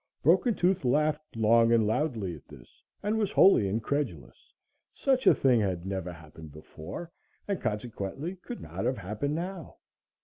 Broken Tooth laughed long and loudly at this and was wholly incredulous. Such a thing had never happened before, and consequently could not have happened now.